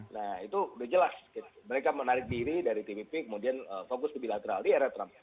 nah itu udah jelas mereka menarik diri dari tpp kemudian fokus ke bilateral di era trump